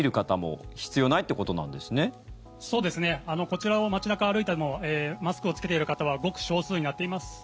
こちらの街中を歩いてもマスクを着けている方はごく少数になっています。